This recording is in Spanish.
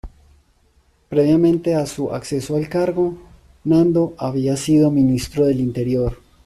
Previamente a su acceso al cargo, "Nando" había sido Ministro del Interior.